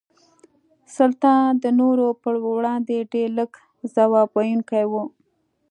سلطان د نورو په وړاندې ډېر لږ ځواب ویونکي وو.